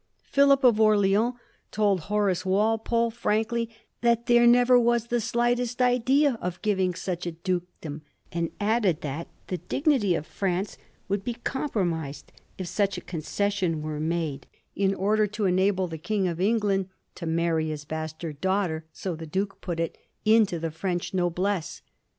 Philip of Orleans told Horace Walpole frankly that there never was the slightest idea of giving such a dukedom, and added that the dignity of France would be compromised if such a concession were made in order to enable the King of England *to marry his bastard daughter '— so the Duke put it — into the French noblesse.